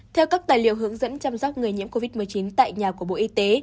theo các tài liệu hướng dẫn chăm sóc người nhiễm covid một mươi chín tại nhà của bộ y tế